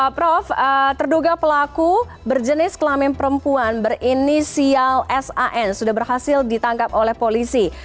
prof terduga pelaku berjenis kelamin perempuan berinisial san sudah berhasil ditangkap oleh polisi